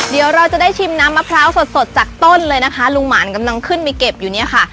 เดี๋ยวเราจะได้ชิมน้ำมะพร้าวสดสดจากต้นเลยนะคะลุงหมานกำลังขึ้นไปเก็บอยู่เนี่ยค่ะ